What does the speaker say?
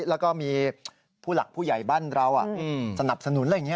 แล้วก็มีผู้หลักผู้ใหญ่บ้านเราสนับสนุนอะไรอย่างนี้